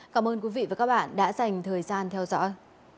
cảm ơn quý vị và các bạn đã dành thời gian theo dõi